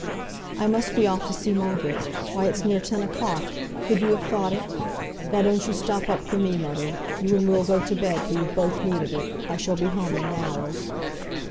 "I must be off to see Margaret. Why, it's near ten o'clock! Could you have thought it? Now don't you stop up for me, mother. You and Will go to bed, for you've both need of it. I shall be home in an hour."